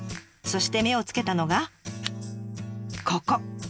そして目をつけたのがここ！